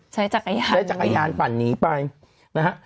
ใช้จักรยานใช้จักรยานปั่นหนีไปนะฮะ